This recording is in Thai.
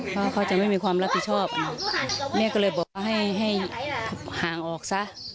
เพราะเขาจะไม่มีความรับผิดชอบแม่ก็เลยบอกว่าให้ให้ห่างออกซะ